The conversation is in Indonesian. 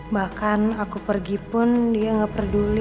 bahkan aku pergi pun dia nggak peduli